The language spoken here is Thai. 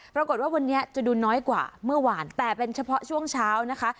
ปรากฏว่าวันนี้จะดูน้อยกว่าเมื่อวานแต่เป็นเฉพาะช่วงเช้านะคะ